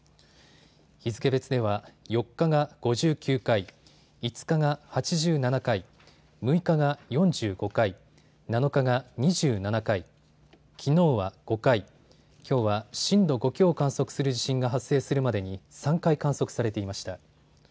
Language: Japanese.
日付別では４日が５９回、５日が８７回、６日が４５回、７日が２７回、きのうは５回、きょうは震度５強を観測する地震が発生するまでに３回観測されていました。